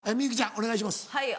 お願いします。